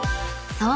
［そう！